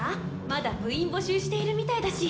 まだ部員募集しているみたいだし。